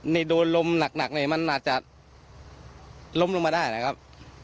นี่โดนลมหนักนี่มันอาจจะล้มลงมาได้นะครับ